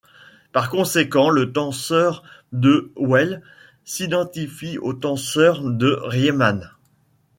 Par conséquent, le tenseur de Weyl s'identifie au tenseur de Riemann.